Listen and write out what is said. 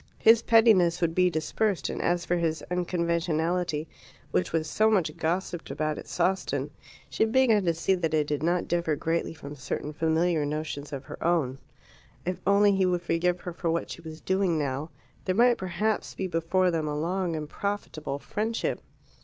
His pettiness would be dispersed, and as for his "unconventionality," which was so much gossiped about at Sawston, she began to see that it did not differ greatly from certain familiar notions of her own. If only he would forgive her for what she was doing now, there might perhaps be before them a long and profitable friendship.